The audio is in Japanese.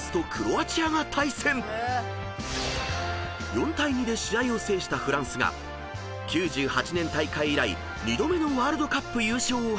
［４対２で試合を制したフランスが９８年大会以来２度目のワールドカップ優勝を果たした］